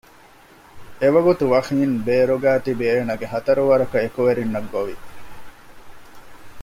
އެވަގުތު ވާޙިން ބޭރުގައި ތިބި އޭނަގެ ހަތަރު ވަރަކަށް އެކުވެރިންނަށް ގޮވި